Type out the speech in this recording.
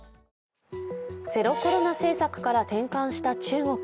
ゼロコロナ政策から転換した中国。